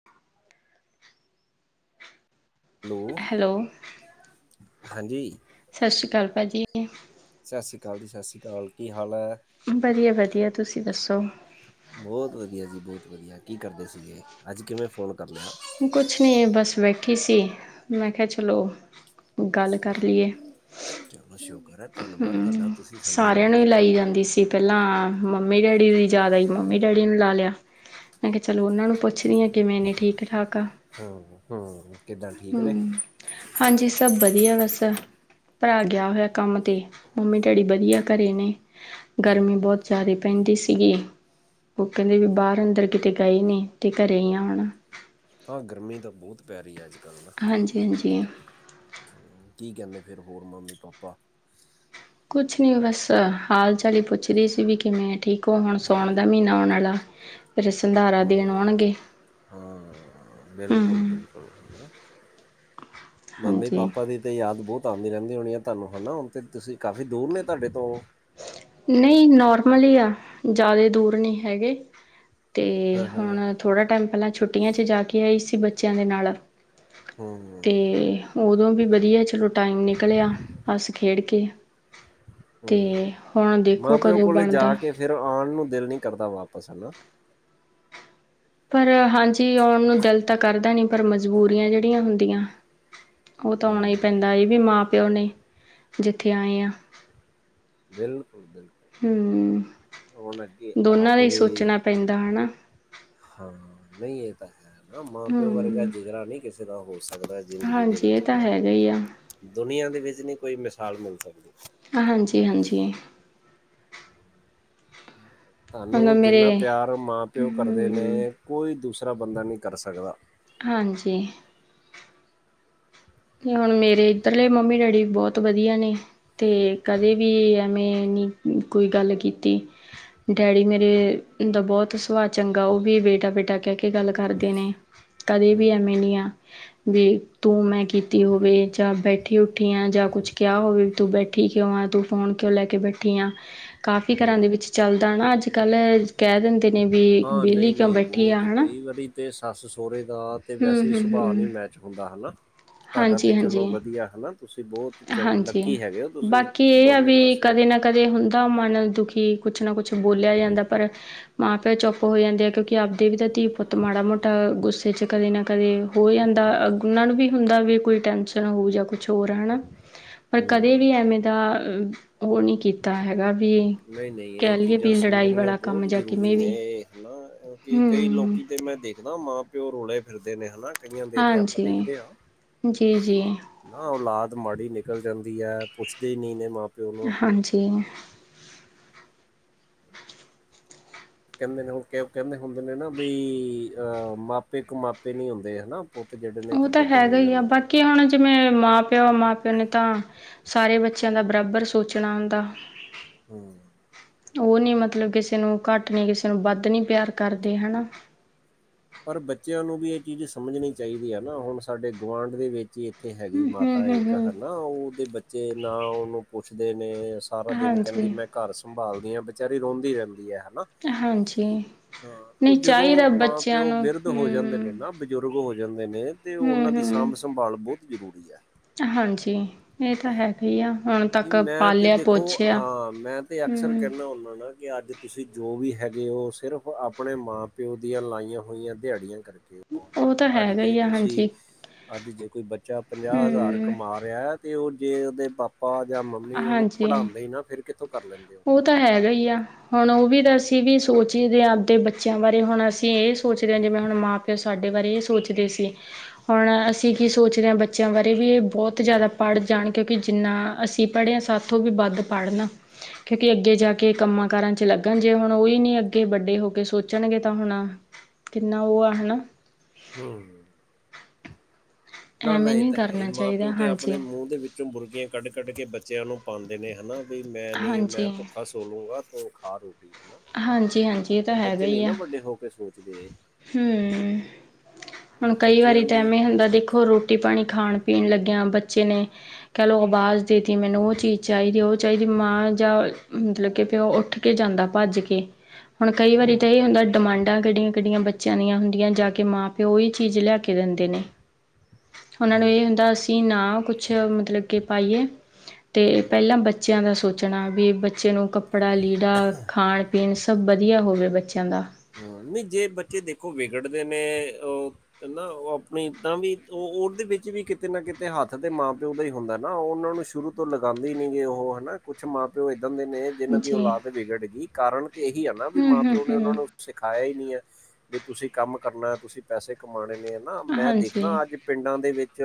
[unintelligible] Hello, ਹਾਂਜੀ? ਸਤਿ ਸ਼੍ਰੀ ਅਕਾਲ ਭਾਜੀ। ਸਤਿ ਸ਼੍ਰੀ ਅਕਾਲ ਜੀ- ਸਤਿ ਸ਼੍ਰੀ ਅਕਾਲ ਕੀ ਹਾਲ ਹੈ? ਵਧੀਆ- ਵਧੀਆ ਤੁਸੀਂ ਦੱਸੋ? ਬਹੁਤ ਵਧੀਆ ਜੀ -ਬਹੁਤ ਵਧੀਆ, ਕੀ ਕਰਦੇ ਸੀਗੇ, ਅੱਜ ਕਿਵੇਂ ਫ਼ੋਨ ਕਰ, ਲਿਆ? ਕੁਛ ਨਹੀਂ, ਬਸ ਬੈਠੀ ਸੀ ਮੈਂ ਕਿਹਾ ਚਲੋ ਗੱਲ ਕਰ ਲਈਏ। ਚਲੋ ਸ਼ੁਕਰ ਹੈ ਹੁ ਧੰਨਵਾਦ ਤੁਹਾਡਾ ਤੁਸੀਂ ਸਾਨੂੰ ਸਾਰਿਆਂ ਯਾਦ ਨੂੰ ਹੀ ਕੀਤਾ ਲਾਈ ਜਾਂਦੀ ਸੀ। ਪਹਿਲਾਂ ਮੰਮੀ -ਡੈਡੀ ਦੀ ਯਾਦ ਆਈ, ਮੰਮੀ ਡੈਡੀ ਨੂੰ ਲਾ ਲਿਆ ਮੈਂ ਕਿਹਾ, ਚਲੋ ਉਹਨਾਂ ਨੂੰ ਪੁੱਛਨੀ ਆ ਕਿਵੇਂ ਨੇ ਠੀਕ ਠਾਕ ਆ। ਹੁ ਹੁ ਹੁ ਹਾਂਜੀ, ਸਭ ਵਧੀਆ ਬਸ। ਭਰਾ ਗਿਆ ਹੋਇਆ ਕੰਮ ਤੇ, ਮੰਮੀ ਡੈਡੀ ਵਧੀਆ ਘਰੇ ਨੇ। ਹਮ ਗਰਮੀ ਬਹੁਤ ਜ਼ਿਆਦਾ ਪੈਂਦੀ ਸੀਗੀ, ਉਹ ਕਹਿੰਦੇ ਵੀ ਬਾਹਰ ਅੰਦਰ ਕਿਤੇ ਗਈ ਨਈ ਤੇ ਘਰੇ ਈ ਆ ਹੁਣ। ਹਾਂ ਗਰਮੀ ਤਾਂ ਬੋਤ ਪੈ ਰਹੀ ਹੈ ਅੱਜ -ਕੱਲ ਨਾ ਹਾਂਜੀ-ਹਾਂਜੀ। ਕੀ ਕਹਿੰਦੇ ਫੇਰ ਹੋਰ ਮੰਮੀ ਪਾਪਾ? ਕੁਛ ਨਹੀਂ ਬਸ ਹਾਲ ਚਾਲ ਹੀ ਪੁੱਛਦੀ ਸੀ ਵੀ ਕਿਵੇਂ ਏ ਠੀਕ ਅਗੋ ਹੁਣ ਸਉਣ ਦਾ ਮਹੀਨਾ ਆਉਣ ਆਲਾ ਫੇਰ ਸੰਧਾਰਾ ਦੇਣ ਹਮ ਆਉਣਗੇ ਹਾਂ ਹੁ। ਬਿਲਕੁਲ ਬਿਲਕੁਲ ਮੰਮੀ- ਹਾਂਜੀ। ਪਾਪਾ ਦੀ ਤੇ ਯਾਦ ਬੋਤ ਆਂਦੇ ਰਹਿੰਦੇ ਹੋਣੇ ਆ ਤਹਾਨੂੰ ਹਨਾ ਹੁਣ ਤੇ ਤੁਸੀਂ ਕਾਫੀ ਦੂਰ ਨੇ ਤਹਾਡੇ ਤੋਂ? ਨਹੀਂ ਨੋਰਮਲ ਈ ਆ ਜੇਅਦੈ ਦੂਰ ਨਹੀਂ ਹੈਗੇ। ਤੇ ਹਾਂ ਹਾਂ ਹੁਣ ਥੋੜ੍ਹਾ ਟਾਈਮ ਪਹਿਲਾਂ ਛੁੱਟੀਆਂ ਚ ਜਾ ਕੇ ਆਈ ਸੀ ਬੱਚਿਆਂ ਦੇ ਨਾਲ ਹਮ ਤੇ ਉਦੋਂ ਵੀ ਵਧੀਆ ਚਲੋ ਟਾਈਮ ਨਿਕਲਿਆ ਹੱਸ ਖੇਡ ਕੇ ਤੇ ਹੂੰ, ਹੋਣ ਦੇਖੋ ਕਦੋਂ ਬਣਦਾ। ਫ਼ੇਰ ਆਣ ਨੂੰ ਦਿਲ ਨਹੀਂ ਕਰਦਾ ਵਾਪਸ ਹਨਾ ਪਰ ਹਾਂਜੀ ਆਉਣ ਨੂੰ ਦਿਲ ਤਾਂ ਕਰਦਾ ਨਈ ਪਰ ਮਜ਼ਬੂਰੀਆਂ ਜਿਹੜੀਆਂ ਹੁੰਦੀਆਂ ਉਹ ਤਾਂ ਆਉਣਾ ਹੀ ਹੂੰ। ਪੈਂਦਾ ਏ ਵੀ ਮਾਂ -ਪਿਓ ਨੇ ਜਿੱਥੇ ਆਏ ਆ। ਬਿਲ- ਹੁ, ਦੋਨਾਂ ਆਪ ਦਾ ਹੀ ਵੀ ਸੋਚਣਾ ਪੈਂਦਾ ਹਨਾ। ਹਾਂ ਨਹੀਂ ਇਹ ਤਾਂ ਹੈ ਨਾ ਮਾਂ ਪਿਓ ਵਰਗਾ ਹੂੰ ਜਿਗਰਾ ਨਈ ਕਿਸੇ ਦਾ ਹੋ ਸਕਦਾ ਜ਼ਿੰਦਗੀ ਦੇ ਹਾਂਜੀ ਇਹ ਵਿੱਚ ਤਾਂ ਹਨਾ ਹੈਗਾ ਹੀ ਆ ਦੁਨੀਆਂ ਦੇ ਵਿੱਚ ਨਈ ਕੋਈ ਮਿਸਾਲ ਮਿਲ ਸਕਦੀ। ਹਾਂਜੀ ਹਾਂਜੀ। ਮਤਲਬ ਤਹਾਨੂੰ ਜਿੰਨਾ ਮੇਰੇ ਪਿਆਰ ਮਾਂ ਪਿਓ ਕਰਦੇ ਨੇ ਹੂੰ ਕੋਈ ਦੂਸਰਾ ਬੰਦਾ ਨਹੀਂ ਕਰ ਸਕਦਾ। ਹਾਂਜੀ। ਤੇ ਹੁਣ ਮੇਰੇ ਇੱਧਰਲੇ ਮੰਮੀ ਡੈਡੀ ਬਹੁਤ ਵਧੀਆ ਨੇ। ਤੇ ਕਦੇ ਵੀ ਐਮੇ ਨੀ ਕੋਈ ਗੱਲ ਕੀਤੀ। ਡੈਡੀ ਮੇਰੇ ਦਾ ਬਹੁਤ ਸੁਭਾਅ ਚੰਗਾ ਉਹ ਵੀ ਬੇਟਾ ਬੇਟਾ ਕਹਿ ਕੇ ਗੱਲ ਕਰਦੇ ਨੇ, ਕਦੇ ਵੀ ਹੂੰ, ਐਵੇਂ ਨੀ ਆ ਵੀ ਤੂੰ ਮੈਂ ਕਿ ਸੁੱਤੀ ਹੋਵੇ ਜਾਂ ਬੈਠੀ ਉੱਠੀ ਆ ਜਾਂ ਕੁਛ ਕਿਹਾ ਹੋਵੇ ਤੂੰ ਬੈਠੀ ਕਿਉਂ ਆਂ ਤੂੰ ਫੋਨ ਕਿਉਂ ਲੈ ਕੇ ਬੈਠੀ ਆ ਕਾਫ਼ੀ ਘਰਾਂ ਦੇ ਹੂੰ। ਵਿੱਚ ਚੱਲਦਾ ਹਨਾ, ਅੱਜ ਕੱਲ੍ਹ ਕਹਿ ਦਿੰਦੇ ਨੇ ਵੀ ਹਾਂ ਵੇਹਲੀ ਨਹੀਂ ਕਿਉਂ ਨਹੀਂ ਬੈਠੀ ਆ ਬਹੁਤ ਹਨਾ। ਕਈ ਵਾਰੀ ਤੇ ਸੱਸ ਸਹੁਰੇ ਦਾ ਤੇ ਹੂੰ ਵੈਸੇ ਹੀ ਹੂੰ ਸੁਭਾਅ ਨੀ ਹੂੰ ਮੈ ਹੁੰਦਾ ਹਨਾ ਤੁਹਾਡਾ ਤੇ ਹਾਂਜੀ ਚਲੋ ਹਾਂਜੀ ਵਧੀਆ ਹਨਾ ਤੁਸੀਂ ਬੋਤ ਚੱਲ ਹਾਂਜੀ। ਲੱਕੀ ਹੈਗੇ ਹੋ ਤੁਸੀਂ ਬਾਕੀ ਇਹ ਆ ਦੋਨੇ ਵੀ ਪਾਸੇ। ਕਦੇ ਨਾ ਕਦੇ ਹੁੰਦਾ ਮਨ ਦੁਖੀ ਕੁਛ ਨਾ ਕੁਛ ਬੋਲਿਆ ਜਾਂਦਾ ਪਰ ਮਾਂ ਪਿਓ ਚੁੱਪ ਹੋ ਜਾਂਦੇ ਆ ਕਿਉਂਕਿ ਆਪਦੇ ਵੀ ਤਾਂ ਧੀ ਪੁੱਤ ਮਾੜਾ ਮੋਟਾ ਗੁੱਸੇ ਚ ਕਦੇ ਨਾ ਕਦੇ ਹੋ ਜਾਂਦਾ ਉਹਨਾਂ ਨੂੰ ਵੀ ਹੁੰਦਾ ਵੀ ਕੋਈ ਟੈਨਸ਼ਨ ਹੋਊ ਜਾਂ ਕੁਛ ਹੋਰ ਹਨਾ। ਪਰ ਹੂੰ ਕਦੇ ਵੀ ਐਵੇਂ ਦਾ ਉਹ ਨੀ ਨਹੀਂ ਨਹੀਂ ਇਹ ਲਈਏ ਚੀਜ਼ਾਂ ਵੀ ਲੜਾਈ ਸਮਝਣੀਆਂ ਵਾਲਾ ਕੰਮ ਬਹੁਤ ਜਾਂ ਜ਼ਰੂਰੀ ਕਿਵੇਂ ਵੀ ਨੇ ਹੈ ਨਾ। ਕਿ ਕਈ ਹੂੰ ਲੋਕੀ ਤੇ ਮੈਂ ਦੇਖਦਾ ਮਾਂ ਪਿਓ ਰੋਲੇ ਫਿਰਦੇ ਨੇ ਹੈ ਨਾ। ਕਈਆਂ ਦੇ ਤੇ ਆਪਾਂ ਹਾਂਜੀ। ਦੇਖਦੇ ਆ। ਜੀ-ਜੀ ਨਾ ਔਲਾਦ ਮਾੜੀ ਨਿਕਲ ਜਾਂਦੀ ਐ, ਪੁੱਛਦੀ ਨੀ ਤੇ ਮਾਂ ਪਿਓ ਨੂੰ ਹਾਂਜੀ। ਕਹਿੰਦੇ ਨੇ ਹੁਣ ਕਿਉਂ ਕਹਿੰਦੇ ਹੁੰਦੇ ਨੇ ਨਾ ਬਈ ਅ ਮਾਪੇ ਕੁਮਾਪੇ ਨੀ ਹੁੰਦੇ ਹੈ ਨਾ। ਪੁੱਤ ਜਿਹੜੇ ਨੇ ਕਪੁੱਤ ਹੋ ਜਾਂਦੇ ਨੇ। ਕਿ ਮੈ ਮਾਂ ਪਿਓ ਮਾਂ ਪਿਓ ਨੇ ਤਾਂ ਸਾਰੇ ਬੱਚਿਆਂ ਦਾ ਬਰਾਬਰ ਸੋਚਣਾ ਹੁੰਦਾ। ਹੂੰ ਤੇ ਉਹ ਨੀ ਮਤਲਬ ਕਿਸੇ ਨੂੰ ਘੱਟ ਨੀ ਕਿਸੇ ਨੂੰ ਵੱਧ ਨੀ ਪਿਆਰ ਕਰਦੇ ਹੈ ਨਾ। ਪਰ ਬੱਚਿਆਂ ਨੂੰ ਵੀ ਇਹ ਚੀਜ਼ ਸਮਝਣੀ ਚਾਹੀਦੀ ਆ ਨਾ, ਹੁਣ ਸਾਡੇ ਗੁਆਂਢ ਦੇ ਵਿੱਚ ਹੀ ਇੱਥੇ ਹੈਗੀ ਹਮ ਮਾਤਾ ਹਮ ਹਮ ਇੱਕ ਹਮ ਹਨਾ ਉਹਦੇ ਬੱਚੇ ਨਾ ਉਹਨੂੰ ਪੁੱਛਦੇ ਨੇ ਸਾਰਾ ਦਿਨ ਕਹਿੰਦੀ ਹਾਂਜੀ ਮੈਂ ਘਰ ਸੰਭਾਲਦੀ ਹਾਂ, ਬਿਚਾਰੀ ਰੋਂਦੀ ਰਹਿੰਦੀ ਏ ਹੈ ਨਾ। ਹਾਂਜੀ ਹਾਂ, ਉਹ ਨਹੀਂ ਜਦੋਂ ਚਾਹੀਦਾ ਮਾਂ ਬੱਚਿਆਂ ਪਿਓ ਨੂੰ ਬਿਰਦ ਹੋ ਜਾਂਦੇ ਹਮ ਨੇ ਨਾ। ਬਜ਼ੁਰਗ ਹੋ ਜਾਂਦੇ ਨੇ ਤੇ ਉਹਨਾਂ ਹਮ ਦੀ ਹਮ ਸਾਂਭ ਸੰਭਾਲ ਬਹੁਤ ਜ਼ਰੂਰੀ ਐ। ਹਾਂਜੀ ਇਹ ਤਾਂ ਹੈਗਾ ਹੀ ਆ। ਹੁਣ ਨਹੀਂ ਤੱਕ ਮੈਂ ਤੇ ਪਾਲਿਆ ਦੇਖੋ ਪੋਛਿਆ ਹਾਂ, ਮੈਂ ਤੇ ਅਕਸਰ ਹਮ ਕਹਿਨਾ ਹੁੰਦਾ ਨਾ ਕਿ ਅੱਜ ਤੁਸੀਂ ਜੋ ਵੀ ਹੈਗੇ ਹੋ ਸਿਰਫ ਆਪਣੇ ਮਾਂ ਪਿਓ ਦੀਆਂ ਲਾਈਆਂ ਹੋਈਆਂ ਦਿਹਾੜੀਆਂ ਕਰਕੇ। ਕਰਕੇ, ਉਹ ਨਾ ਤਾਂ ਅੱਜ ਹੈਗਾ ਜੇ ਹੀ ਆ ਤੁਸੀਂ ਹਾਂਜੀ ਅੱਜ ਜੇ ਕੋਈ ਬੱਚਾ ਪੰਜਾਹ ਹਜ਼ਾਰ ਹਮ ਕਮਾ ਰਿਹਾ ਤੇ ਉਹ ਜੇ ਉਹਦੇ ਪਾ ਪਾਪਾ ਜਾਂ ਮੰਮੀ ਉਹਨੂੰ ਹਾਂਜੀ ਪੜਾਂਦੇ ਨਾ, ਫੇਰ ਕਿੱਥੋਂ ਕਰ ਲੈਂਦੇ ਉਹ। ਉਹ ਤਾਂ ਹੈਗਾ ਹੀ ਆ, ਹੁਣ ਉਹ ਵੀ ਤਾਂ ਅਸੀਂ ਵੀ ਸੋਚਦੇ ਹੀ ਹਾਂ ਆਪਦੇ ਬੱਚਿਆਂ ਬਾਰੇ ਹੁਣ ਅਸੀਂ ਇਹ ਸੋਚ ਰਹੇ ਹਾਂ, ਜਿਵੇਂ ਹੁਣ ਮਾਂ ਪਿਓ ਸਾਡੇ ਬਾਰੇ ਇਹ ਸੋਚਦੇ ਸੀ, ਹੁਣ ਅਸੀਂ ਅਸੀ ਕਿ ਕਿ ਸੋਚ ਰਹੇ ਹਾਂ ਬੱਚਿਆਂ ਬਾਰੇ ਵੀ ਇਹ ਬਹੁਤ ਜ਼ਿਆਦਾ ਪੜ੍ਹ ਜਾਣ ਕਿਉਂਕਿ ਜਿੰਨਾ ਅਸੀਂ ਪੜੇ ਆ, ਸਾਥੋਂ ਵੀ ਵੱਧ ਪੜ੍ਹਨ। ਕਿਉਂਕਿ ਅੱਗੇ ਜਾ ਕੇ ਕੰਮਾਂ ਕਾਰਾਂ ਚ ਲੱਗਣ ਜੇ ਹੁਣ ਉਹੀ ਨਹੀਂ ਅੱਗੇ ਵੱਡੇ ਹੋ ਕੇ ਸੋਚਣਗੇ ਤਾਂ ਹੁਣ ਕਿੰਨਾ ਉਹ ਆ ਹੈ ਨਾ। ਹੂੰ ਨਾ ਮੈ ਐਵੇਂ ਇਹ ਨਹੀਂ ਤਾਂ ਹੈ ਹੀ, ਕਰਨਾ ਮਾਂ ਚਾਹੀਦਾ ਪਿਓ ਤੇ ਹਾਂਜੀ ਆਪਣੇ ਮੂੰਹ ਦੇ ਵਿੱਚ ਵਿੱਚੋਂ ਬੁਰਕੀਆਂ ਕੱਢ ਕੱਢ ਕੇ ਬੱਚਿਆਂ ਨੂੰ ਪਾਉਂਦੇ ਨੇ ਹੈ ਨਾ ਵੀ ਮੈਂ ਨੀ ਮੈਂ ਹਾਂਜੀ ਭੁੱਖਾ ਸੋ ਲਾਊਂਗਾ ਤੂੰ ਖਾ ਰੋਟੀਆ ਹੈ ਹਾਂਜੀ ਹਾਂਜੀ ਇਹ ਨਾ ਤਾਂ ਬੱਚੇ ਨਹੀਂ ਨਾ ਵੱਡੇ ਹੋ ਕੇ ਸੋਚਦੇ ਇਹ। ਹਮ' ਹੁਣ ਉਹ ਕਈ ਬੱਚਿਆਂ ਵਾਰੀ ਤਾਂ ਦੀ ਐਵੇਂ ਹੁੰਦਾ ਦੇਖੋ ਰੋਟੀ ਰੋਟੀ ਪਾਣੀ ਖਾਣ ਪੀਣ ਲੱਗਿਆ ਬੱਚੇ ਨੇ ਕਹਿ ਲਓ ਆਵਾਜ਼ ਦੇ ਤੀ ਮੈਨੂੰ ਉਹ ਚੀਜ਼ ਚਾਹੀਦੀ ਉਹ ਚਾਹੀਦੀ ਮਾਂ ਜਾਂ ਮਤਲਬ ਕਿ ਪਿਓ ਉੱਠ ਕੇ ਜਾਂਦਾ। ਭੱਜ ਕੇ ਹੁਣ ਕਈ ਵਾਰੀ ਤਾਂ ਇਹ ਹੁੰਦਾ ਡਿਮਾਂਡਾਂ ਕਿੱਡੀਆਂ ਕਿੱਡੀਆਂ ਬ ਬੱਚਿਆਂ ਦੀਆਂ ਹੁੰਦੀਆਂ ਜਾ ਕੇ ਮਾਂ ਪਿਓ ਹੀ ਚੀਜ਼ ਲਿਆ ਕੇ ਦਿੰਦੇ ਨੇ। ਉਹਨਾਂ ਨੂੰ ਹੂੰ, ਇਹ ਹੁੰਦਾ ਅਸੀਂ ਨਾ ਕੁਛ ਮਤਲਬ ਕਿ ਪਾਈਏ ਅਤੇ ਹੂੰ, ਪਹਿਲਾਂ ਬੱਚ ਬੱਚਿਆਂ ਦਾ ਸੋਚਣਾ ਵੀ ਬੱਚੇ ਨੂੰ ਕੱਪੜਾ ਲੀੜਾ ਖਾਣ ਪੀਣ ਸਭ ਵਧੀਆ ਹੋਵੇ ਬੱਚਿਆਂ ਦਾ ਹਾਂ ਨਹੀਂ ਜੇ ਬੱਚੇ ਦੇਖੋ ਵਿਗੜਦੇ ਨੇ ਉਹ ਨਾ ਉਹ ਆਪਣੀ ਏਦਾਂ ਵੀ ਉਹ ਉਹਦੇ ਵਿੱਚ ਵੀ ਕਿਤੇ ਨਾ ਕਿਤੇ ਹੱਥ ਤੇ ਮਾਂ ਪਿਓ ਦਾ ਹੀ ਹੁੰਦਾ ਨਾ ਉਹ ਉਹਨਾਂ ਨੂੰ ਸ਼ੁਰੂ ਤੋਂ ਲਗਾਉਂਦੇ ਨੀ ਗੇ ਉਹ ਹਨਾ ਕੁਛ ਮਾਂ ਪਿਓ ਇੱਦਾਂ ਦੇ ਨੇ। ਜਿਹਨਾਂ ਦੀ ਜੀ ਔਲਾਦ ਵਿਗੜ ਗਈ ਕਾਰਨ ਤੇ ਇਹੀ ਆ ਨਾ ਵੀ ਹੂੰ ਮਾਂ ਹੂੰ ਪਿਓ ਨੇ ਉਹਨਾਂ ਹੂੰ ਨੂੰ ਸਿਖਾਇਆ ਹੀ ਨਹੀਂ ਹੈ ਵੀ ਤੁਸੀਂ ਕੰਮ ਕਰਨਾ ਤੁਸੀਂ ਪੈਸੇ ਕਮਾਣੇ ਨੇ ਨਾ ਮੈਂ ਹਾਂਜੀ ਦੇਖਦਾ ਅੱਜ ਪਿੰਡਾਂ ਦੇ ਵਿੱਚ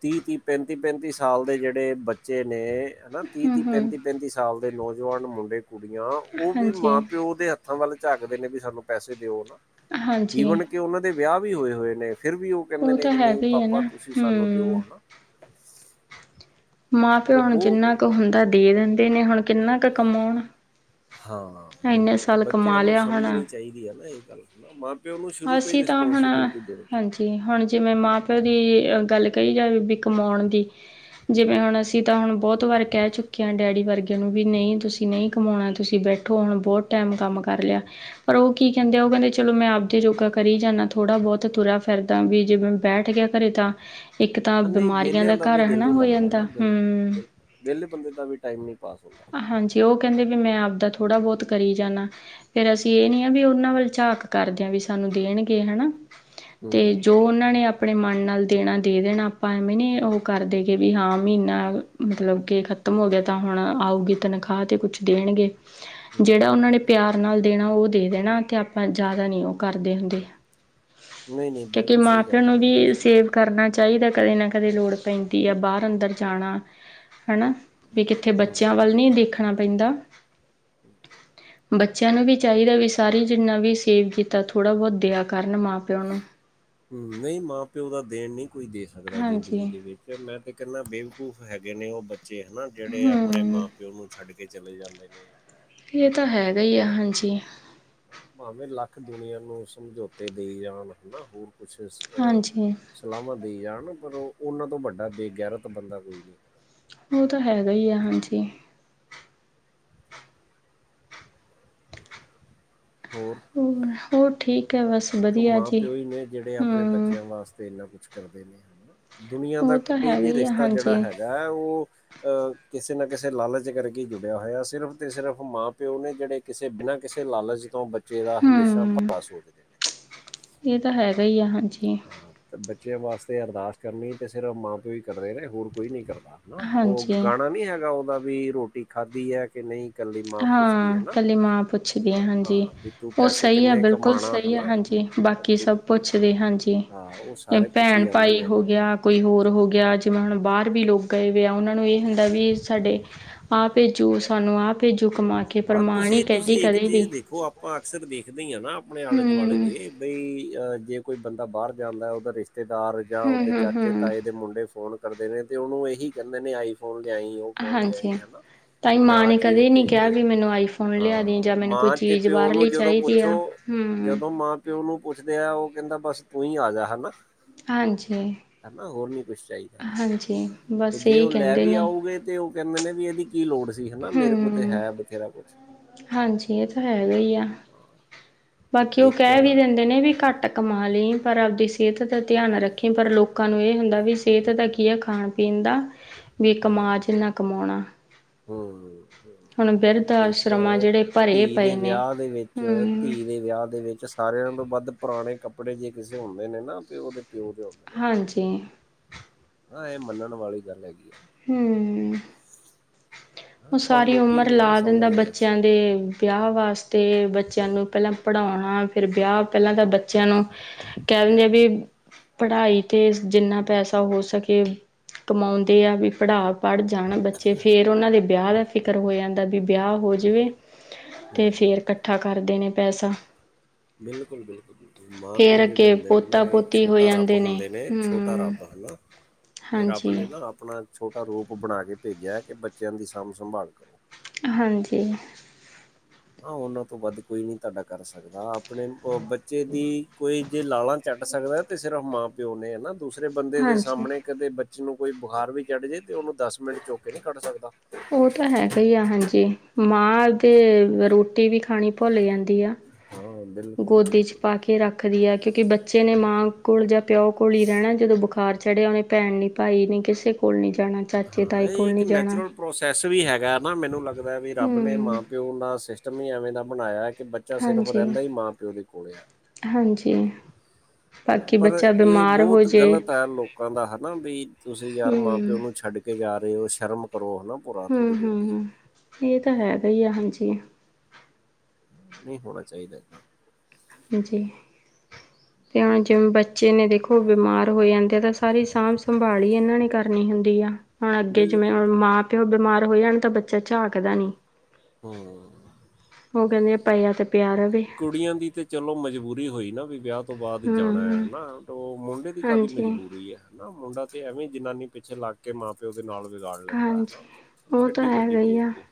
ਤੀਹ ਤੀਹ ਪੈਂਤੀ ਪੈਂਤੀ ਸਾਲ ਦੇ ਜਿਹੜੇ ਬੱਚੇ ਨੇ! ਹੈਨਾ ਤੀਹ ਤੀਹ ਹੂੰ-ਹੂੰ, ਪੈਂਤੀ ਪੈਂਤੀ ਸਾਲ ਦੇ ਨੌਜਵਾਨ ਮੁੰਡੇ ਕੁੜੀਆਂ ਉਹ ਵੀ ਮਾਂ ਪਿਓ ਦੇ ਹੱਥ ਹਰ ਵੇਲੇ ਝਾਕਦੇ ਨੇ ਵੀ ਸਾਨੂੰ ਪੈਸੇ ਦਿਓ ਨਾ ਹਾਂਜੀ-ਹਾਂਜੀ। ਈਵਨ ਕਿ ਉਹਨਾਂ ਦੇ ਵਿਆਹ ਵੀ ਹੋਏ ਹੋਏ ਨੇ ਫਿਰ ਵੀ ਉਹ ਕਹਿੰਦੇ ਨੇ ਤਾਂ ਕਿ ਨਹੀਂ ਹੈਗਾ ਹੀ ਹੈ ਨਾ ਪਾਪਾ ਤੁਸੀਂ ਸਾਨੂੰ ਦਿਓ ਹੂੰ। ਹਨਾ। ਮਾਂ ਪਿਓ ਤਾਂ ਹੁਣ ਬਹੁਤ ਜਿੰਨਾ ਕੁ ਹੁੰਦਾ ਦੇ ਦਿੰਦੇ ਨੇ ਹੁਣ ਕਿੰਨਾ ਕੁ ਕਮਾਉਣ। ਹਾਂ ਇੰਨੇ ਬਿਲਕੁਲ ਸਾਲ ਬੱਚਿਆਂ ਕਮਾ ਨੂੰ ਲਿਆ ਹੁਣ ਸਮਝਣੀ ਚਾਹੀਦੀ ਹੈ ਨਾ ਇਹ ਗੱਲ ਮਾਂ ਪਿਓ ਨੂੰ ਸ਼ੁਰੂ ਤੋਂ ਹੀ ਅਸੀਂ ਤਾਂ ਹੁਣ ਰਿਸਪੋਂਸੀਬਿਲਿਟੀ ਦੇਣੀ ਚਾਹੀਦੀ ਏ ਹਾਂਜੀ ਹੁਣ ਜਿਵੇਂ ਮਾਂ ਪ ਉਹ ਦੀ ਗੱਲ ਕਹੀ ਜਾਵੇ ਵੀ ਕਮਾਉਣ ਦੀ। ਜਿਵੇਂ ਹੁਣ ਅਸੀਂ ਤਾਂ ਹੁਣ ਬਹੁਤ ਵਾਰ ਕਹਿ ਚੁੱਕੇ ਹਾਂ ਡੈਡੀ ਵਰਗੇ! ਨੂੰ ਵੀ ਨਹੀਂ ਤੁਸੀਂ ਨਹੀਂ ਕਮਾਉਣਾ ਤੁਸੀਂ ਬੈਠੋ ਹੁਣ ਬਹੁਤ ਟਾਈਮ ਕੰਮ ਕਰ ਲਿਆ। ਪਰ ਉਹ ਕੀ ਕਹਿੰਦੇ ਆ ਉਹ ਕਹਿੰਦੇ ਚਲੋ ਮੈਂ ਆਪ ਤੇ ਯੋਗਾ ਕਰੀ ਜਾਂਦਾ ਥੋੜ੍ਹਾ ਬਹੁਤ ਤੁਰਾ ਫਿਰਦਾ ਵੀ ਜੇ ਮੈਂ ਬੈਠ ਗਿਆ ਘਰੇ ਤਾਂ ਇੱਕ ਤਾਂ ਆ ਨਹੀਂ ਬਿਮਾਰੀਆਂ ਵੇਲਿਆਂ ਦਾ ਘਰ ਹੈ ਨਾ ਹੋ ਜਾਂਦਾ ਹੂ ਵਿਹਲੇ ਬੰਦੇ ਦਾ ਵੀ ਟਾਈਮ ਨਹੀਂ ਪਾਸ ਹੁੰਦਾ। ਹਾਂਜੀ ਉਹ ਕਹਿੰਦੇ ਵੀ ਮੈਂ ਆਪਦਾ ਥੋੜ੍ਹਾ ਬਹੁਤ ਕਰੀ ਜਾਂਦਾ। ਫੇਰ ਅਸੀਂ ਇਹ ਨੀ ਆ ਵੀ ਉਹਨਾਂ ਵੱਲ ਝਾਕ ਕਰਦੇ ਹਾਂ ਵੀ ਸਾਨੂੰ ਦੇਣਗੇ ਹੈਨਾ। ਹੂੰ ਤੇ ਜੋ ਉਹਨਾਂ ਨੇ ਆਪਣੇ ਮਨ ਨਾਲ ਦੇਣਾ ਦੇ ਦੇਣਾ ਆਪਾਂ ਐਵੇਂ ਨੇ ਉਹ ਕਰਦੇ ਗ ਵੀ ਹਾਂ ਮਹੀਨਾ ਮਤਲਬ ਕੇ ਖ਼ਤਮ ਹੋ ਗਿਆ ਤਾਂ ਹੁਣ ਆਊਗੀ ਤਨਖਾਹ ਤੇ ਕੁਛ ਦੇਣਗੇ, ਹੂੰ ਜਿਹੜਾ ਉਹਨਾਂ ਨੇ ਪਿਆਰ ਨਾਲ ਦੇਣਾ ਉਹ ਦੇ ਦੇਣਾ ਤੇ ਆਪਾਂ ਜ਼ਿਆਦਾ ਨਹੀਂ ਉਹ ਕਰਦੇ ਹੁੰਦੇ। ਨਹੀਂ-ਨਹੀਂ ਕਿਉਂਕਿ ਬਿਲਕੁਲ ਸਹੀ ਮਾਂ ਪਿਓ ਗੱਲ ਐ, ਨੂੰ ਵੀ ਬਿਲਕੁਲ ਸਹੀ ਗੱਲ ਸੇਵ ਐ। ਕਰਨਾ। ਚਾਹੀਦਾ ਕਦੇ ਨਾ ਕਦੇ ਲੋੜ ਪੈਂਦੀ ਆ ਬਾਹਰ ਅੰਦਰ ਜਾਣਾ ਹਨਾਂ ਵੀ ਕਿੱਥੇ ਹੂੰ। ਬੱਚਿਆਂ ਵੱਲ ਨਹੀਂ ਦੇਖਣਾ ਪੈਂਦਾ। ਹਮ [inaudible] ਬੱਚਿਆਂ ਨੂੰ ਵੀ ਚਾਹੀਦਾ ਵੀ ਸਾਰੇ ਜਿੰਨਾ ਵੀ ਸੇਵ ਕੀਤਾ ਥੋੜ੍ਹਾ ਬਹੁਤ ਦਿਆ ਕਰਨ ਮਾਂ ਪਿਓ ਨੂੰ ਹੂ ਨਹੀਂ ਮਾਂ ਪਿਓ ਦਾ ਦੇਣ ਨਹੀਂ ਕੋਈ ਦੇ ਸਕਦਾ ਹਾਂਜੀ ਜ਼ਿੰਦਗੀ ਦੇ ਵਿੱਚ। ਫੇਰ ਮੈਂ ਤੇ ਕਹਿੰਦਾ ਬੇਵਕੂਫ ਹੈਗੇ ਨੇ ਉਹ ਬੱਚੇ ਹੈਨਾ ਜਿਹੜੇ ਆਪਣੇ ਮਾਂ ਹੂੰ ਪ ਪਿਓ ਨੂੰ ਛੱਡ ਕੇ ਚਲੇ ਜਾਂਦੇ ਨੇ। ਇਹ ਹਨਾ ਤਾਂ ਜਾਂ ਉਹਨਾਂ ਹੈਗਾ ਤੋਂ ਹੀ ਆ ਦੂਰ ਚਲੇ ਹਾਂਜੀ। ਜਾਂਦੇ ਨੇ। ਭਾਵੇਂ ਲੱਖ ਦੁਨੀਆਂ ਨੂੰ ਸਮਝੌਤੇ ਦਈ ਜਾਣ ਹਨ ਹੋਰ ਕੁਛ ਹਾਂਜੀ। ਸਲਾਹਾਂ ਦੇਈ ਜਾਣ ਪਰ ਉਹ ਉਹਨਾਂ ਤੋਂ ਵੱਡਾ ਬੇਗੈਰਤ ਬੰਦਾ ਕੋਈ ਨਹੀਂ। ਉਹ ਤਾਂ ਹੈਗਾ ਹੀ ਆ ਹਾਂਜੀ। ਹੋਰ ਹੋ ਠੀਕ ਹੈ ਬਸ ਇੱਕ ਵਧੀਆ ਮਾਂ ਜੀ ਪਿਓ ਹੀ ਨੇ ਜੇੜੇ ਆਪਣੇ ਹਮ ਬੱਚਿਆਂ ਵਾਸਤੇ ਇੰਨਾ ਕੁਛ ਕਰਦੇ ਨੇ ਹਨਾ। ਦੁਨੀਆਂ ਦਾ ਉਹ ਤਾਂ ਕੋਈ ਹੈਗਾ ਵੀ ਹੀ ਆ ਰਿਸ਼ਤਾ ਹਾਂਜੀ ਜੇੜਾ ਹੈਗਾ ਹੈ ਓ ਅਹ ਕਿਸੇ ਨਾ ਕਿਸੇ ਲਾਲਚ ਕਰਕੇ ਜੁੜਿਆ ਹੋਇਆ ਸਿਰਫ਼ ਤੇ ਸਿਰਫ਼ ਮਾਂ ਪਿਓ ਨੇ ਜੇੜੇ ਕਿਸੇ ਬਿਨਾਂ ਕਿਸੇ ਲਾਲਚ ਤੋਂ ਬੱਚੇ ਦਾ ਹਮੇਸ਼ਾ ਹਮ ਭਲਾ ਸੋਚਦੇ ਨੇ ਇਹ ਤਾਂ ਹੈਗਾ ਹੀ ਆ ਹਾਂਜੀ- ਬੱਚਿਆਂ ਵਾਸਤੇ ਅਰਦਾਸ ਕਰਨੀ ਏ ਤੇ ਸਿਰਫ ਮਾਂ ਪਿਓ ਹੀ ਕਰਦੇ ਨੇ ਹੋਰ ਕੋਈ ਨਹੀਂ ਕਰਦਾ। ਓ ਹਾਂਜੀ ਗਾਣਾ ਨੀ ਹੈਗਾ ਉਹਦਾ ਵੀ ਰੋਟੀ ਖਾਧੀ ਹੈ ਕਿ ਨਈ ਹਾਂ ਕੱਲੀ ਮਾਂ ਪੁੱਛਦੀ ਆ ਹਨਾ ਹਾਂਜੀ ਹਾਂ ਵੀ ਤੂੰ ਓ ਪੈਸੇ ਸਈ ਆ ਕਿੰਨੇ ਬਿਲਕੁਲ ਕਮਾਣਾ ਸਈ ਆ ਹਨਾ ਹਾਂਜੀ। ਬਾਕੀ ਵੀ ਸਭ ਪੁੱਛਦੇ ਹਾਂਜੀ ਹਾਂ ਉਹ ਕਿ ਸਾਰੇ ਪੁੱਛੀ ਭੈਣ ਜਾਂਦੇ ਭਾਈ ਨੇ ਹੋ ਹਨਾ ਗਿਆ। ਕੋਈ ਹੋਰ ਹੋ ਗਿਆ ਜਿਵੇਂ ਹੁਣ ਬਾਰ ਵੀ ਲੋਕ ਗਏ ਹੋਏ ਆ ਉਹਨਾਂ ਨੂੰ ਇਹ ਹੁੰਦਾ ਵੀ ਸਾਡੇ ਆਪ ਭੇਜੋ ਸਾਨੂੰ ਆਪ ਹਾਂ ਤੁਸੀਂ ਤੁਸੀਂ ਇੱਕ ਵੀ ਚੀਜ਼ ਦੇਖੋ ਆਪਾਂ ਅਕਸਰ ਦੇਖਦੇ ਹੀ ਹਾ ਨਾ ਆਪਣੇ ਆਲੇ ਦੁਆਲੇ ਹੂੰ ਦੇ। ਬਈ ਅਹ ਜੇ ਕੋਈ ਬੰਦਾ ਬਾਰ ਜਾਂਦਾ ਉਦਾ ਰਿਸ਼ਤੇਦਾਰ ਜਾਂ ਹੂੰ ਉਹਦੇ ਹੂੰ ਚਾਚੇ ਹੂੰ ਤਾਏ ਦੇ ਮੁੰਡੇ ਫੋਨ ਕਰਦੇ ਨੇ ਤੇ ਉਹਨੂੰ ਇਹੀ ਕੈਂਦੇ ਨੇ ਆਈ ਫੋਨ ਲਿਆਈਂ ਓ ਫੋਨ ਹਾਂਜੀ ਲਿਆਈ ਆਂਦਾ ਤਾਂਈ ਜਾਂ ਮਾਂ ਆ ਨੇ ਚੀਜ਼ ਕਦੇ ਨਹੀਂ ਭੇਜ ਕਿਹਾ ਵੀ ਮੈਨੂੰ ਆਈਫੋਨ ਲਿਆ ਦੀ ਹਾਂ ਜਾਂ ਮੈਨੂੰ ਕੋਈ ਮਾਂ ਤੇ ਚੀਜ਼ ਪਿਓ ਨੂੰ ਬਾਹਰਲੀ ਜਦੋਂ ਚਾਹੀਦੀ ਆ ਪੁੱਛੋ ਹੂੰ ਜਦੋਂ ਮਾਂ ਪਿਓ ਨੂੰ ਪੁੱਛਦੇ ਆ ਓ ਕੈਂਦਾ ਬਸ ਤੂੰ ਹੀ ਆ ਜਾ ਹਨਾ। ਹਾਂਜੀ ਹੈਨਾ ਹੋਰ ਨੀ ਕੁਛ ਚਾਹੀਦਾ ਨਾ ਹਾਂਜੀ ਤੇ ਬਸ ਜੇ ਇਹੀ ਓ ਲੈ ਕਹਿੰਦੇ ਵੀ ਨੇ ਆਉਗੇ ਤੇ ਕੈਂਦੇ ਨੇ ਵੀ ਇਹਦੀ ਕੀ ਲੋੜ ਸੀ ਹਨਾ ਮੇਰੇ ਕੋਲ ਤੇ ਹੂੰ ਹੈ ਬਥੇਰਾ ਕੁਛ ਹਾਂਜੀ ਇਹ ਤਾਂ ਹੈਗਾ ਹੀ ਆ ਬਾਕੀ ਉਹ ਕਹਿ ਵੀ ਇੱਕ ਦਿੰਦੇ ਨੇ ਵੀ ਘੱਟ- ਕਮਾ ਲਈ ਪਰ ਆਪਦੀ ਸਿਹਤ ਦਾ ਧਿਆਨ ਰੱਖੀ ਪਰ ਲੋਕਾਂ ਨੂੰ ਇਹ ਹੁੰਦਾ ਵੀ ਸਿਹਤ ਦਾ ਕੀ ਹੈ ਖਾਣ ਪੀਣ ਦਾ ਵੀ ਹਾਂ ਕਮਾ ਜਿਨ੍ਹਾਂ ਕਮਾਉਣਾ। ਹੂੰ ਹੁਣ ਬਿਰਧ ਇੱਕ ਆਸ਼ਰਮਾਂ ਜਿਹੜੇ ਭਰੇ ਧੀ ਦੇ ਪਏ ਨੇ ਵਿਆਹ ਦੇ ਵਿੱਚ ਹਮ ਧੀ ਦੇ ਵਿਆਹ ਦੇ ਵਿੱਚ ਸਾਰਿਆਂ ਤੋਂ ਵੱਧ ਪੁਰਾਣੇ ਕੱਪੜੇ ਜੇ ਕਿਸੇ ਹੁੰਦੇ ਨੇ ਨਾ ਉਹਦੇ ਪਿਓ ਦੇ ਹੁੰਦੇ ਨੇ ਕੁੜੀ ਹਾਂਜੀ ਦੇ ਹਾਂ ਇਹ ਮੰਨਣ ਵਾਲੀ ਗੱਲ ਹੈਗੀ ਆ। ਹੂੰ ਓ ਪਰ ਸਾਰੀ ਲੋਕੀ ਉਮਰ ਨਹੀਂ ਨਾ ਲਾ ਦਿੰਦਾ ਸਮਝਦੇ ਬੱਚਿਆਂ ਦੇ ਵਿਆਹ ਵਾਸਤੇ ਬੱਚਿਆਂ ਨੂੰ ਪੈਲਾਂ ਪੜਾਉਣਾ ਫਿਰ ਵਿਆਹ ਪੈਲਾਂ ਤਾਂ ਬ ਬੱਚਿਆਂ ਨੂੰ ਕੈਣੇ ਵੀ ਪੜਾਈ ਤੇ ਜਿੰਨਾ ਪੈਸਾ ਹੋ ਸਕੇ ਕਮਾਉਂਦੇ ਆ ਵੀ ਪੜਾ ਪੜ ਜਾਣ ਬੱਚੇ ਫਿਰ ਉਹਨਾਂ ਦੇ ਬਿਆਹ ਦਾ ਫਿਕਰ ਹੋ ਜਾਂਦਾ ਵੀ ਬਿਆਹ ਹੋ ਜਵੇ ਤੇ ਫੇਰ ਕੱਠਾ ਕਰਦੇ ਨੇ ਪੈਸਾ ਬਿਲਕੁਲ-ਬਿਲਕੁਲ। ਮਾਂ ਪਿਓ ਫੇਰ ਜੇੜੇ ਅੱਗੇ ਹੁੰਦੇ ਨੇ ਨਾ ਪੋਤਾ ਇਹ ਪੋਤੀ ਹੋ ਛੋਟਾ ਰੱਬ ਜਾਂਦੇ ਹੁੰਦੇ ਨੇ ਛੋਟਾ ਹਮ ਰੱਬ ਹਨਾ। ਇਹ ਰੱਬ ਹਾਂਜੀ ਨੇ ਨਾ ਆਪਣਾ ਛੋਟਾ ਰੂਪ ਬਣਾ ਕੇ ਭੇਜਿਆ ਕਿ ਬੱਚਿਆਂ ਦੀ ਸਾਂਭ ਸੰਭਾਲ ਕਰੋ। ਹਾਂਜੀ ਹਾਂ ਉਹਨਾਂ ਤੋਂ ਵੱਧ ਕੋਈ ਨੀ ਤੁਹਾਡਾ ਕਰ ਸਕਦਾ ਆਪਣੇ ਬੱਚੇ ਦੀ ਕੋਈ ਜੇ ਲਾਲਾਂ ਚਟ ਸਕਦਾ ਤੇ ਸਿਰਫ ਮਾਂ ਪਿਓ ਨੇ ਹਨਾ ਦੂਸਰੇ ਬੰਦੇ ਦੇ ਹਾਂਜੀ ਸਾਹਮਣੇ ਕਦੇ ਬ ਨੂੰ ਕੋਈ ਬੁਖਾਰ ਵੀ ਚੜ ਜੇ ਤੇ ਉਹਨੂੰ ਦਸ ਮਿੰਟ ਚੁੱਕ ਕੇ ਨਈ ਕੱਢ ਸਕਦਾ। ਓ ਤਾ ਹੈਗਾ ਹੀ ਆ ਹਾਂਜੀ ਮਾਦ ਤੇ ਰੋਟੀ ਵੀ ਖਾਣੀ ਭੁੱਲ ਜਾਂਦੀ ਆ ਹਾਂ ਬਿਲਕੁਲ ਗੋਦੀ ਚ ਬਿਲਕੁਲ ਪਾ ਬਿਲਕੁਲ। ਕੇ ਰੱਖ- ਰੱਖਦੀ ਹੈ ਕਿਉਂਕਿ ਬੱਚੇ ਨੇ ਮਾਂ ਕੋਲ ਜਾਂ ਪਿਓ ਕੋਲ ਹੀ ਰੈਂਣਾ ਜਦੋਂ ਬੁਖਾਰ ਚੜਿਆ ਉਹਨੇ ਭੈਣ ਨਈ ਭਾਈ ਨਈ ਕਿਸੇ ਕੋੋਲ ਨਹੀਂ ਜਾਣਾ- ਚਾਚੇ ਹਾਂ ਤਾਏ ਇਹ ਕੋਲ ਇੱਕ ਨਹੀਂ ਜਾਣਾ ਨੈਚੁਰਲ ਪ੍ਰੋਸੈਸ ਵੀ ਹੈਗਾ ਨਾ ਮੈਨੂੰ ਲੱਗਦਾ ਵੀ ਰੱਬ ਨੇ ਹਮ ਮਾਂ ਪਿਓ ਦਾ ਸਿਸਟਮ ਹੀ ਐਵੇਂ ਦਾ ਬਣਾਇਆ ਕਿ ਬੱਚ ਬੱਚਾ ਸਿਰਫ ਹਾਂਜੀ ਰੈਂਦਾ ਈ ਮਾਂ ਪਿਓ ਦੇ ਕੋਲ ਆ। ਹਾਂਜੀ ਬਾਕੀ ਪਰ ਬੱਚਾ ਇਹ ਬਿਮਾਰ ਹੋ ਬਹੁਤ ਜੇ ਗਲਤ ਆ ਲੋਕ ਲੋਕਾਂ ਦਾ ਹਨਾ ਵੀ, ਤੁਸੀਂ ਯਾਰ ਮਾਂ ਹਮ ਪਿਓ ਨੂੰ ਛੱਡ ਕੇ ਜਾ ਰਹੇ ਹੋ ਸ਼ਰਮ ਕਰੋ, ਹਨਾ। ਭੁਰਾ ਹੂ ਥੋੜੀ ਹੂ ਬਹੁਤੀ ਹੂ ਇਹ ਤਾਂ ਹੈਗਾ ਹੀ ਆ ਹਾਂਜੀ। ਨਹੀਂ ਹੋਣਾ ਚਾਹੀਦਾ ਏਦਾਂ। ਜੀ ਤੇ ਹੁਣ ਜਿਵੇਂ ਬੱਚੇ ਨੇ ਦੇਖੋ ਬਿਮਾਰ ਹੋ ਜਾਂ ਏ ਤਾਂ ਸਾਰੀ ਸਾਂਭ ਸੰਭਾਲ ਹੀ ਇਹਨਾਂ ਨੇ ਕਰਨੀ ਹੁੰਦੀ ਆ, ਹੁਣ ਅੱਗੇ ਜਿਵੇਂ ਬਿਲਕੁਲ ਮਾਂ ਤੇ ਉਹ ਬਿਮਾਰ ਹੋ ਜਾਣ ਤਾਂ ਬੱਚਾ ਝਾਕਦਾ ਨੀ। ਹੂ ਉਹ ਕਹਿੰਦੇ ਆ ਪਾਈਆ ਤੇ ਪਿਆ ਰਵੇ ਕੁੜੀਆਂ ਦੀ ਤੇ ਚਲੋ ਮਜਬੂਰੀ ਹੋਈ ਨਾ ਵੀ ਵਿਆਹ ਉਸ ਤੋਂ ਬਾਅਦ ਜਾਣਾ ਹੂੰ, ਹਨਾ, ਉਹ ਮੁੰਡੇ ਦੀ ਕਾਹਦੀ ਹਾਂਜੀ। ਮਜਬੂਰੀ ਹੈ। ਨਾ ਮੁੰਡਾ ਤੇ ਐਵੇਂ ਜਨਾਨੀ ਪਿੱਛੇ ਲੱਗ ਕੇ ਮਾਂ ਪਿਓ ਦੇ ਨਾਲ ਵਿਗਾੜ ਲੈਂਦਾ ਹੈਨਾ, ਹਾਂਜੀ, ਉਹ ਕਿੱਡੀ ਤਾਂ ਵੱਡੀ ਹੈਗਾ ਹੀ ਆ ਬੇਬਕੂਹ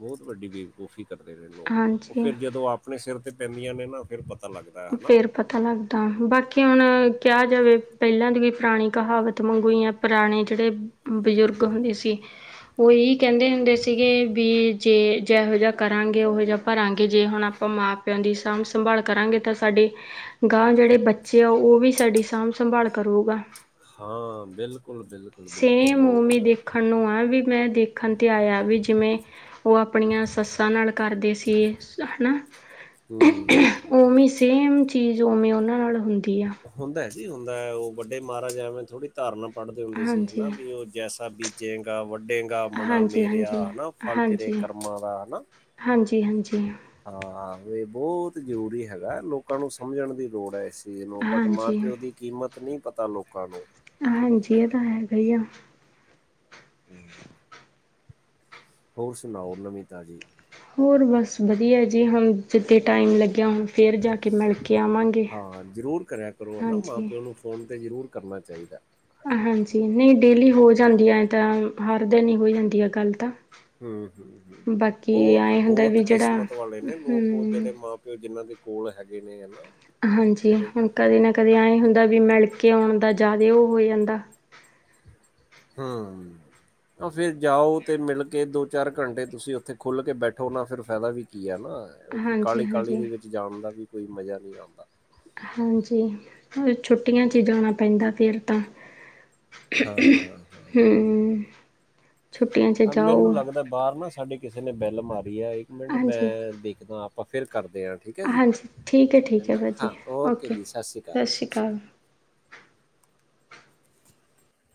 ਬਹੁਤ ਵੱਡੀ ਬੇਵਕੂਫੀ ਕਰਦੇ ਰਹੇ ਲੋਕ, ਉਹ ਹਾਂਜੀ। ਫੇਰ ਜਦੋਂ ਆਪਣੇ ਸਿਰ ਤੇ ਪੈਂਦੀਆਂ ਨੇ ਨਾ ਫਿਰ ਪਤਾ ਲੱਗਦਾ ਹੈ ਹਨਾ। ਫੇਰ ਪਤਾ ਲੱਗਦਾ, ਬਾਕੀ ਹੁਣ ਕਿਹਾ ਜਾਵੇ ਪਹਿਲਾਂ ਦੀ ਵੀ ਪੁਰਾਣੀ ਕਹਾਵਤ ਮੰਗੂਈ ਯਾ ਪੁਰਾਣੇ ਜਿਹੜੇ ਬਜ਼ੁਰਗ ਹੁੰਦੇ ਸੀ, ਉਹ ਇਹੀ ਕਹਿੰਦੇ ਹੁੰਦੇ ਸੀਗੇ, ਵੀ ਜੇ ਜੋ ਜਿਹਾ ਕਰਾਂਗੇ ਉਹੋ ਜਿਹਾ ਭਰਾਂਗੇ ਜੇ ਹੁਣ ਆਪਾਂ ਮਾਂ ਪਿਓ ਦੀ ਸਾਂਭ ਸੰਭਾਲ ਕਰਾਂਗੇ ਤਾਂ ਸਾਡੇ ਗਾਂ ਜਿਹੜੇ ਬੱਚੇ ਆ ਉਹ ਵੀ ਸਾਡੀ ਸਾਂਭ ਸੰਭਾਲ ਕਰੁੰਗਾ। ਹਾਂ ਬਿਲਕੁਲ। ਬਿਲਕੁਲ, ਬਿਲਕੁਲ ਸੇਮ ੳ ਉਹ ਵੀ ਉਹ- ਦੇਖਣ ਨੂੰ ਆ ਵੀ, ਮੈਂ ਦੇਖਣ ਤੇ ਆਇਆ ਵੀ ਜਿਵੇਂ ਉਹ ਆਪਣੀਆਂ ਸੱਸਾਂ ਨਾਲ ਕਰਦੇ ਸੀ, ਹੈਨਾ। ਹਮ। ਉਵੇਂ ਸੇਮ ਚੀਜ਼ ਉਵੇਂ ਉਹਨਾਂ ਨਾਲ ਹੁੰਦੀ ਆ। ਹੁੰਦਾ ਜੀ ਹੁੰਦਾ ਉਹ ਵੱਡੇ ਮਹਾਰਾਜ ਐਵੇਂ ਥੋੜੀ ਧਾਰਨਾ ਪੜ੍ਹਦੇ ਹੁੰਦੇ ਸੀ, ਹਨਾ ਹਾਂਜੀ, ਵੀ ਉਹ ਜੈਸਾ ਬ ਬੀਜੇਂਗਾ ਵੱਡੇਗਾ ਮਨਾ ਹਾਂਜੀ, ਮੇਰਿਆ ਹਾਂਜੀ, ਹਨਾ, ਫਲ ਤੇਰੇ ਹਾਂਜੀ, ਕਰਮਾਂ ਦਾ ਹਨਾ। ਹਾਂਜੀ, ਹਾਂਜੀ। ਹਾਂ, ਹਾਂ ਇਹ ਬਹੁਤ ਜ਼ਰੂਰੀ ਹੈਗਾ, ਲੋਕਾਂ ਨੂੰ ਸਮਝਣ ਦੀ ਲੋੜ ਹੈ ਇਸ ਨੂੰ ਬਟ ਮਾਂ ਹਾਂਜੀ, ਪਿਓ ਦੀ ਕੀਮਤ ਨੀ ਪਤਾ ਲੋਕਾਂ ਨੂੰ ਹਾਂਜੀ, ਇਹ ਤਾਂ ਹੈਗਾ ਹੀ ਆ। ਹਮ। ਹੋਰ ਸੁਣਾਓ ਨਵੀ ਤਾਜੀ? ਹੋਰ ਬਸ ਵਧੀਆ ਜੀ, ਹਾਂ ਜਿੱਦਾਂ ਟਾਈਮ ਲੱਗਿਆ ਹੁਣ ਫਿਰ ਜਾ ਕੇ ਮਿਲ ਕੇ ਆਵਾਂਗੇ, ਹਾਂ ਜ਼ਰੂਰ ਕਰਿਆ ਕਰੋ ਨਾ ਮਾਂ ਹਾਂਜੀ। ਪਿਓ ਨੂੰ ਫੋਨ ਤੇ ਜ਼ਰੂਰ ਕਰਨਾ ਚਾਹੀਦਾ। ਹਾਂਜੀ ਨਹੀਂ ਡੇਲੀ ਹੋ ਜਾਂਦੀ ਆ ਤਾਂ, ਹਰ ਦਿਨ ਹੀ ਹੋ ਜਾਂਦੀ ਆ ਗੱਲ ਤਾਂ ਹਮ, ਹਮ ਬਾਕੀ ਬਹੁਤ ਐਏਂ ਹੁੰਦਾ -ਬਹੁਤ ਵੀ ਜਿਹੜਾ ਕਿਸਮਤ ਵਾਲੇ ਨੇ ਲੋਕ ਉਹ ਹੂੰ। ਜਿਹੜੇ ਮਾਂ ਪਿਓ ਜਿਨਾਂ ਦੇ ਕੋਲ ਹੈਗੇ ਨੇ, ਹਨਾ। ਹਾਂਜੀ, ਜਿਹੜੇ ਹੁਣ ਕਦੇ ਨਾ ਕਦੇ ਐ ਹੁੰਦਾ ਵੀ ਮਿਲ ਕੇ ਆਉਣ ਦਾ ਜ਼ਿਆਦਾ ਉਹ ਹੋ ਜਾਂਦਾ। ਹਮ। ਫਿਰ ਜਾਓ ਅਤੇ ਮਿਲ ਕੇ ਦੋ ਚਾਰ ਘੰਟੇ ਤੁਸੀਂ ਉੱਥੇ ਖੁੱਲ੍ਹ ਕੇ ਬੈਠੋ ਨਾ, ਫਿਰ ਫਾਇਦਾ ਵੀ ਕੀ ਹੈ ਨਾ। ਉਥੇ ਹਾਂਜੀ, ਕਾਹਲੀ, ਕਾਹਲੀ ਹਾਂਜੀ। ਦੇ ਵਿੱਚ ਜਾਣ ਦਾ ਵੀ ਕੋਈ ਮਜਾ ਨਹੀਂ ਆਉਂਦਾ। ਹਾਂਜੀ, ਹੁਣ ਛੁੱਟੀਆਂ 'ਚ ਹੀ ਜਾਣਾ ਪੈਂਦਾ ਫਿਰ ਤਾਂ ਹਾਂ ਹਾਂ ਹਾਂ ਹਾਂ [unintelligible] ਹਮ। ਮੈਨੂੰ ਲੱਗਦਾ ਬਾਹਰ ਨਾ ਸਾਡੇ ਕਿਸੇ ਨੇ ਬੈਲ ਮਾਰੀ ਆ, ਇੱਕ ਮਿੰਟ ਹਾਂਜੀ, ਮੈਂ ਦੇਖਦਾ। ਆਪਾਂ ਫਿਰ ਕਰਦੇ ਹਾਂ ਠੀਕ ਹੈ ਜੀ ਹੈ ਨਾ, ਹਾਂ ਓਕੇ ਜੀ ਸਤਿ ਸ਼੍ਰੀ ਅਕਾਲ ਜੀ, ਸਤਿ ਸ਼੍ਰੀ ਅਕਾਲ।